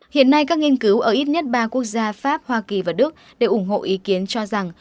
hiện nay các nghiên cứu ở ít nhất ba quốc gia pháp hoa kỳ và đức đều ủng hộ ý kiến cho rằng